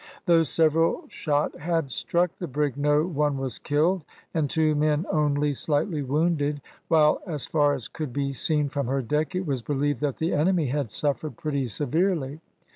Though several shot had struck the brig no one was killed, and two men only slightly wounded, while, as far as could be seen from her deck, it was believed that the enemy had suffered pretty severely.